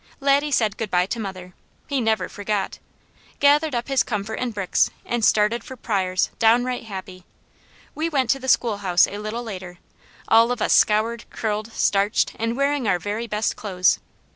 Laddie said good bye to mother he never forgot gathered up his comfort and bricks, and started for Pryors' downright happy. We went to the schoolhouse a little later, all of us scoured, curled, starched, and wearing our very best clothes.